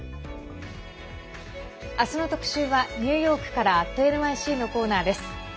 明日の特集はニューヨークから「＠ｎｙｃ」のコーナーです。